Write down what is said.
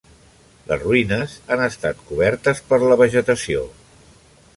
Les ruïnes han estat cobertes per la vegetació.